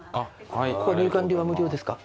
入館料は無料ですか？